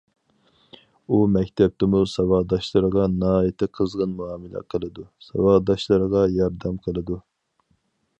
ئۇ مەكتەپتىمۇ ساۋاقداشلىرىغا ناھايىتى قىزغىن مۇئامىلە قىلىدۇ، ساۋاقداشلىرىغا ياردەم قىلىدۇ.